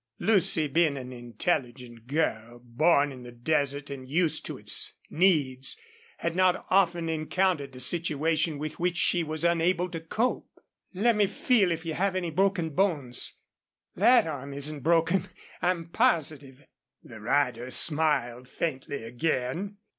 Lucy, being an intelligent girl, born in the desert and used to its needs, had not often encountered a situation with which she was unable to cope. "Let me feel if you have any broken bones.... THAT arm isn't broken, I'm positive." The rider smiled faintly again.